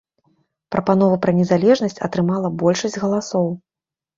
Прапанова пра незалежнасць атрымала большасць галасоў.